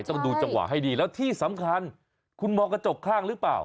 ต้องดูจังหวะให้ดีแล้วที่สำคัญคุณมองกระจกข้างหรือเปล่า